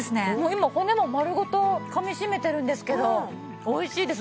今骨もまるごとかみしめてるんですけどおいしいです。